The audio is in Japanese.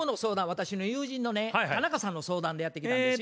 私の友人のね田中さんの相談でやって来たんですよ。